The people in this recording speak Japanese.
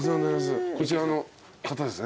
こちらの方ですね？